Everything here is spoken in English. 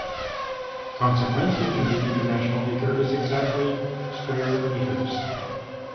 Consequently, the international acre is exactly square metres.